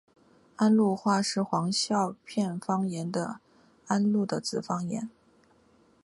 安陆话是黄孝片方言在安陆的子方言。